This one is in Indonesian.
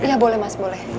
ya boleh mas boleh